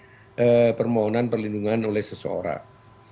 undang undang memang harus segera memutuskan permohonan perlindungan oleh seseorang